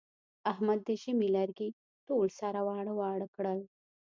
احمد د ژمي لرګي ټول سره واړه واړه کړل.